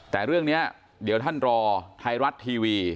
แต่เรื่องนี้เดี๋ยวท่านรอไทยรัฐทีวี